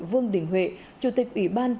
vương đình huệ chủ tịch ủy ban